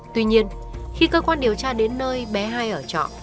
tuy nhiên khi cơ quan điều tra đến nơi bé hai ở trọ